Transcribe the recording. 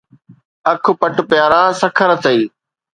اک پَٽ، پيارا سکر اٿئي.